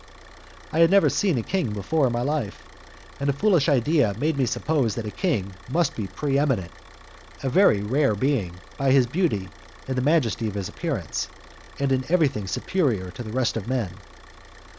I had never seen a king before in my life, and a foolish idea made me suppose that a king must be preeminent a very rare being by his beauty and the majesty of his appearance, and in everything superior to the rest of men.